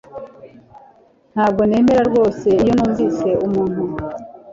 Ntabwo nemera rwose iyo numvise umuntu